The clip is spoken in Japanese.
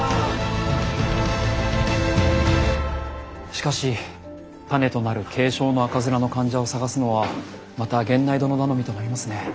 しかし種となる軽症の赤面の患者を探すのはまた源内殿頼みとなりますね。